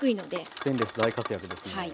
ステンレンス大活躍ですね。